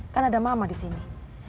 kan ada mama disini